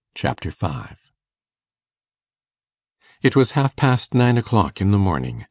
Chapter 5 It was half past nine o'clock in the morning.